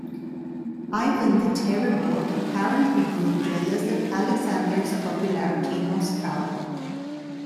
Ivan the Terrible, apparently, grew jealous of Alexander's popularity in Moscow.